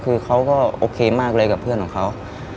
คือเขาก็โอเคมากเลยกับเพื่อนของเขา